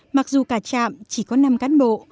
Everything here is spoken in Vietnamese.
mặc dù cả trạm chỉ có năm cán bộ